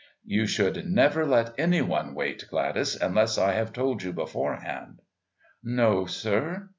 "You should never let any one wait, Gladys, unless I have told you beforehand." "No, sir."